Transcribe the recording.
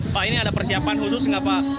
pak ini ada persiapan khusus nggak pak